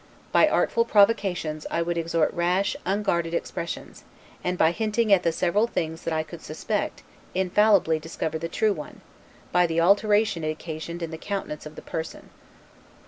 By artful provocations I would extort rash unguarded expressions; and, by hinting at all the several things that I could suspect, infallibly discover the true one, by the alteration it occasioned in the countenance of the person.